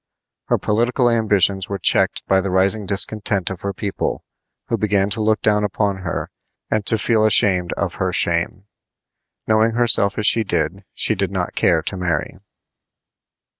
Her political ambitions were checked by the rising discontent of her people, who began to look down upon her and to feel ashamed of her shame. Knowing herself as she did, she did not care to marry.